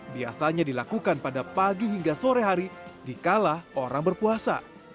biasanya dilakukan pada pagi hingga sore hari dikala orang berpuasa